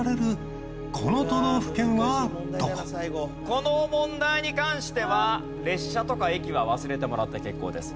この問題に関しては列車とか駅は忘れてもらって結構です。